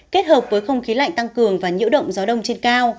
kết hợp với không khí lạnh tăng cường và nhiễu động gió đông trên cao